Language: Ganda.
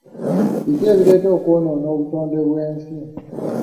Biki ebireeta okwonoona obutonde bw'ensi?